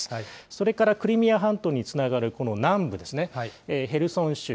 それからクリミア半島につながるこの南部ですね、ヘルソン州、